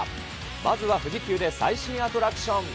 まずは富士急で最新アトラクション。